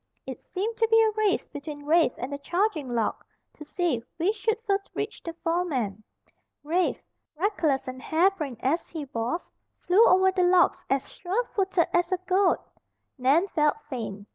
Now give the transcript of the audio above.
It seemed to be a race between Rafe and the charging log, to see which should first reach the foreman. Rafe, reckless and harebrained as he was, flew over the logs as sure footed as a goat. Nan felt faint.